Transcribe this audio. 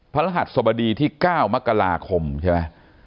รหัสสบดีที่๙มกราคมใช่ไหม